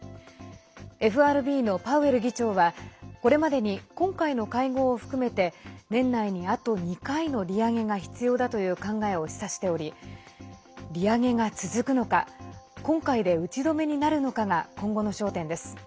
ＦＲＢのパウエル議長はこれまでに今回の会合を含めて年内にあと２回の利上げが必要だという考えを示唆しており利上げが続くのか今回で打ち止めになるのかが今後の焦点です。